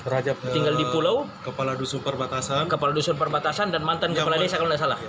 raja tinggal di pulau kepala dusun perbatasan dan mantan kepala desa kalau tidak salah